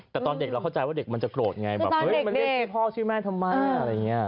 แต่ตอนเด็กเราเข้าใจว่าเด็กมันจะโกรธไงแบบเฮ้ยมันเรียกชื่อพ่อชื่อแม่ทำไมอะไรอย่างนี้